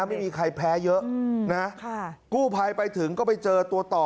ไม่มีใครแพ้เยอะนะกู้ภัยไปถึงก็ไปเจอตัวต่อ